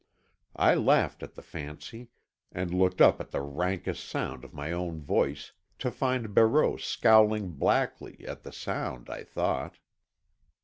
I laughed at the fancy, and looked up at the raucous sound of my own voice, to find Barreau scowling blackly—at the sound, I thought.